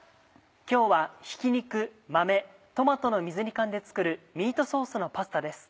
今日はひき肉豆トマトの水煮缶で作るミートソースのパスタです。